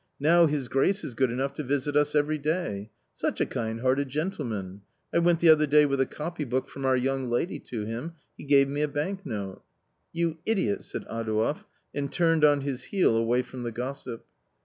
Now his grace is good enough to visit us every day. Such a kind hearted gentleman ! I went the other day with a copy book from our young lady to him — he gave me a banknote." " You idiot !" said Adouev, and turned on his heel away from the gossip.